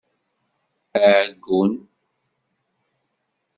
Aɛeggun!